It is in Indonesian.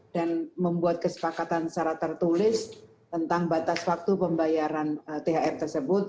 dan membuat kesepakatan secara tertulis tentang batas waktu pembayaran thr tersebut